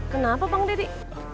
kenapa bang deddy